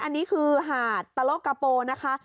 อันนี้คือหาดตะโลกกะโปนะคะ